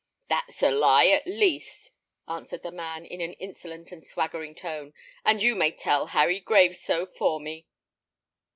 "That's a lie, at least!" answered the man, in an insolent and swaggering tone; "and you may tell Harry Graves so for me."